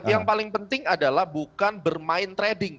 yang paling penting adalah bukan bermain trading